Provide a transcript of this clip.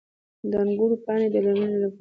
د انګورو پاڼې د دلمې لپاره دي.